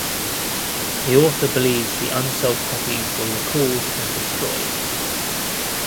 The author believes the unsold copies were recalled and destroyed.